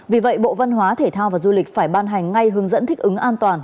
vì vậy bộ văn hóa thể thao và du lịch phải ban hành ngay hướng dẫn thích ứng an toàn